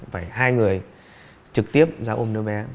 phải hai người trực tiếp ra ôm đứa bé